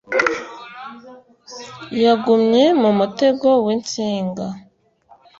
Yagumye mu mutego winsinga